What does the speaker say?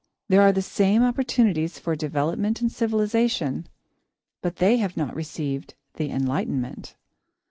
There are the same opportunities for development and civilisation, but they have not received The Enlightenment.